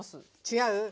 違う？